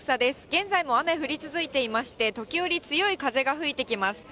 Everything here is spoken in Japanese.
現在も雨、降り続いていまして、時折、強い風が吹いてきます。